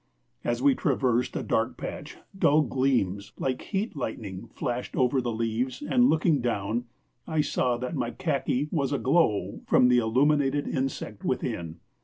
As we traversed a dark patch, dull gleams like heat lightning flashed over the leaves, and, looking down, I saw that my khaki was aglow from the illuminated insect within.